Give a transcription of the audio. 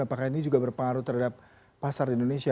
apakah ini juga berpengaruh terhadap pasar di indonesia